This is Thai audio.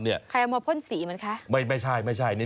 ใครเอามาพ่นสีมันคะไม่ใช่